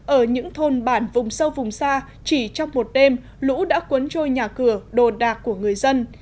ở những thôn bản vùng sâu vùng xa chỉ trong một đêm lũ đã cuốn trôi nhà cửa đồ đạc của người dân